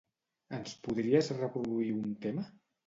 Ens podries reproduir un tema?